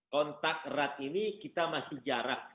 kontak erat ini kita masih jarak